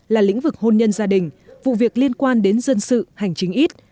là lĩnh vực hôn nhân gia đình vụ việc liên quan đến dân sự hành chính ít